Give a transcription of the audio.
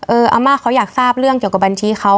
อาม่าเขาอยากทราบเรื่องเกี่ยวกับบัญชีเขา